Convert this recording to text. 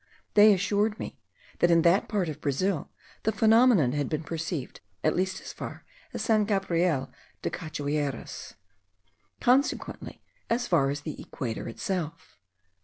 They assured me that in that part of Brazil the phenomenon had been perceived at least as far as San Gabriel das Cachoeiras, consequently as far as the equator itself.